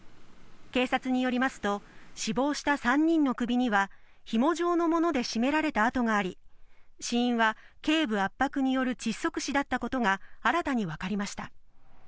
警察によりますと、死亡した３人の首には、ひも状のもので絞められた痕があり、死因はけい部圧迫による窒息死だったことが、新たに分かりました。